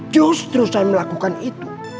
justru saya melakukan itu